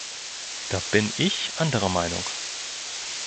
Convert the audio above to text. Da bin ich anderer Meinung.